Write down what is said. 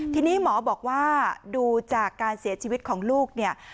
ทีนี้หมอบอกว่าดูจากการเสียชีวิตของลูกเนี่ย